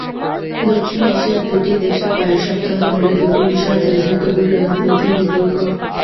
দক্ষিণ এশিয়ার দুটি দেশে কয়েক সপ্তাহ ধরে দুটি বিষয়ে চলছে তুমুল রাজনৈতিক বিতর্ক।